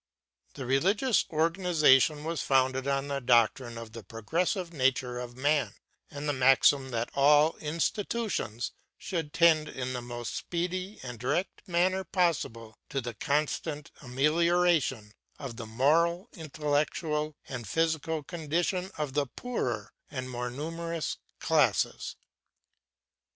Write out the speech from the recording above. The religious organization was founded on the doctrine of the progressive nature of man, and the maxim that all institutions should tend in the most speedy and direct manner possible to the constant amelioration of the moral, intellectual, and physical condition of the poorer and more numerous classes.